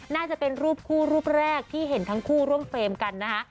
น่าจะเป็นรูปคู่รูปแรกที่เห็นทั้งคู่ร่วมเฟรมกันนะคะ